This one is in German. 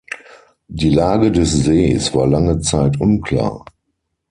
Die Lage des Sees war lange Zeit unklar.